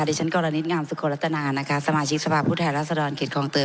ดิฉันกรณิตงามสุโกรัตนานะคะสมาชิกสภาพผู้แทนรัศดรเขตคลองเตย